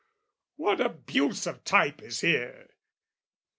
What abuse of type is here!